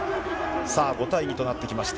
さあ、５対２となってきました。